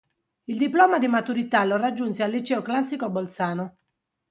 Il diploma di maturità lo raggiunse al Liceo classico a Bolzano.